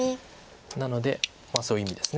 なのでそういう意味です